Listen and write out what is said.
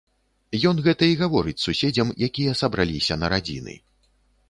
Ён гэта і гаворыць суседзям, якія сабраліся на радзіны.